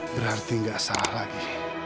berarti nggak salah lagi